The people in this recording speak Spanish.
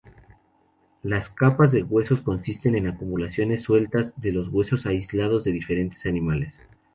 Las capas de huesos consisten en acumulaciones sueltas de huesos aislados de diferentes animales.